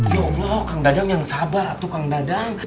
ya allah kang dadang yang sabar atur kang dadang